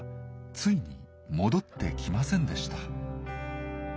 ついに戻ってきませんでした。